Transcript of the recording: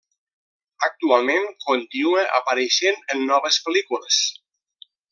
Actualment continua apareixent en noves pel·lícules.